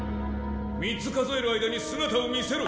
３つ数える間に姿を見せろ！